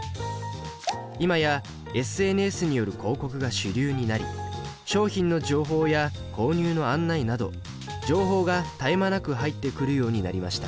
今やＳＮＳによる広告が主流になり商品の情報や購入の案内など情報が絶え間なく入ってくるようになりました。